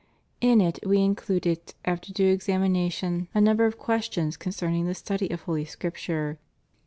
In it We included, after due examination, a number of questions concerning the study of Holy Scrip ture.